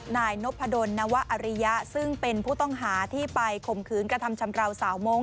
นายนพดลนวะอริยะซึ่งเป็นผู้ต้องหาที่ไปข่มขืนกระทำชำราวสาวมงค